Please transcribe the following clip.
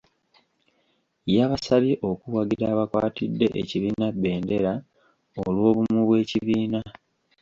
Yabasabye okuwagira abakwatidde ekibiina bendera olw'obumu bw'ekibiina.